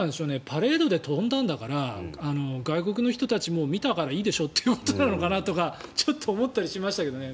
パレードで飛んだんだから外国の人たちもう見たからいいでしょということなのかなと思いましたけどね。